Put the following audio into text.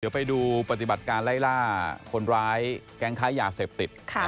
เดี๋ยวไปดูปฏิบัติการไล่ล่าคนร้ายแก๊งค้ายาเสพติด